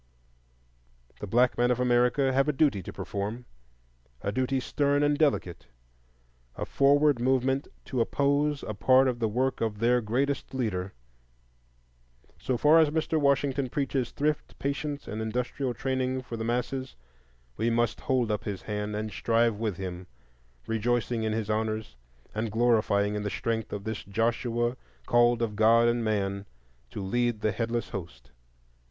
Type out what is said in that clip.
The black men of America have a duty to perform, a duty stern and delicate,—a forward movement to oppose a part of the work of their greatest leader. So far as Mr. Washington preaches Thrift, Patience, and Industrial Training for the masses, we must hold up his hands and strive with him, rejoicing in his honors and glorying in the strength of this Joshua called of God and of man to lead the headless host.